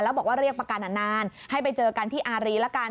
แล้วบอกว่าเรียกประกันนานให้ไปเจอกันที่อารีละกัน